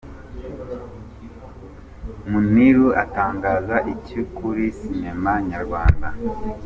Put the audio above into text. Muniru atangaza iki kuri sinema nyarwanda?.